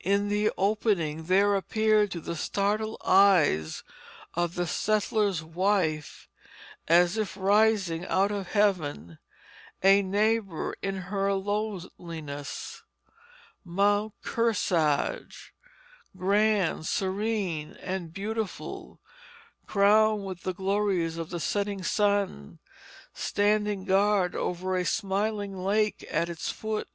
in the opening there appeared to the startled eyes of the settler's wife, as if rising out of heaven, a neighbor in her loneliness Mount Kearsage, grand, serene, and beautiful, crowned with the glories of the setting sun, standing guard over a smiling lake at its foot.